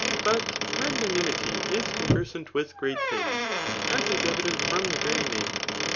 But magnanimity is conversant with great things, as is evident from the very name.